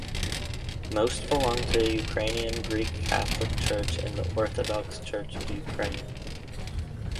Most belong to the Ukrainian Greek Catholic Church and the Orthodox Church of Ukraine.